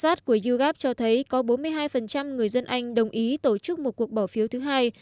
khảo sát của yogap cho thấy có bốn mươi hai người dân anh đồng ý tổ chức một cuộc bỏ phiếu thứ hai